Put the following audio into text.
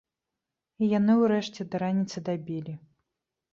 І яны ўрэшце да раніцы дабілі.